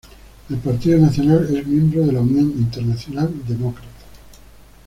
El Partido Nacional es miembro de la Unión Internacional Demócrata